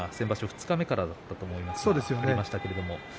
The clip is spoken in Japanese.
二日目からだったと思いますが。